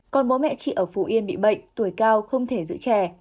còn bố mẹ chị ở phú yên bị bệnh tuổi cao không thể giữ trẻ